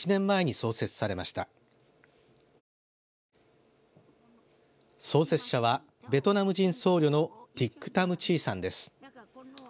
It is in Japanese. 創設者はベトナム人僧侶のティック・タム・チーさんです。